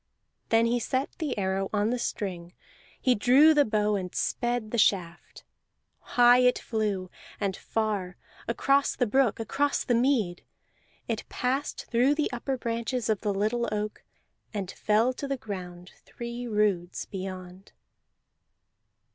Then he set the arrow on the string; he drew the bow and sped the shaft. High it flew, and far across the brook, across the mead. It passed through the upper branches of the little oak, and fell to the ground three roods beyond.